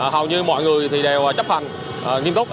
hầu như mọi người đều chấp hành nghiêm túc